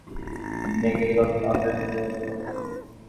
কিছুকাল অসহ্য উত্তাপের পর স্নিগ্ধশ্যামল মেঘে দগ্ধ আকাশ জুড়াইয়া গেল।